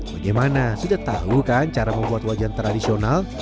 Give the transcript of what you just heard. bagaimana sudah tahu kan cara membuat wajan tradisional